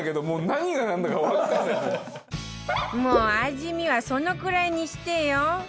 もう味見はそのくらいにしてよ